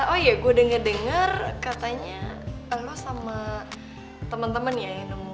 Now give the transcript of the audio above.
oh iya gue udah ngedenger katanya lo sama temen temen ya yang nemuin tahut